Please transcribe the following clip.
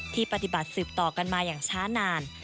ปฏิบัติสืบต่อกันมาอย่างช้านาน